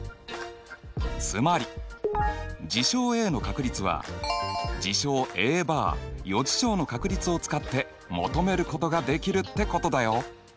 つまり事象Ａの確率は事象Ａバー余事象の確率を使って求めることができるってことだよ。